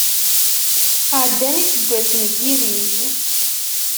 Ɛeddan yiseggasen n yirrij.